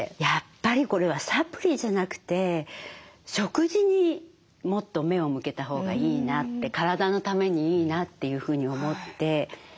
やっぱりこれはサプリじゃなくて食事にもっと目を向けたほうがいいなって体のためにいいなっていうふうに思って。